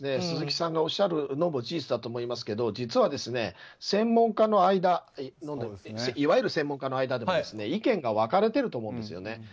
鈴木さんがおっしゃるのも事実だと思いますが実はいわゆる専門家の間でも意見が分かれてると思うんですよね。